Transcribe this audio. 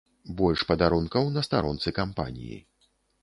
Больш падарункаў на старонцы кампаніі.